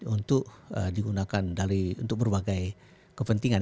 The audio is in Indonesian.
untuk digunakan untuk berbagai kepentingan